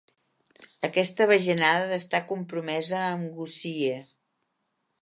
Aquesta bajanada d'estar compromesa amb Gussie.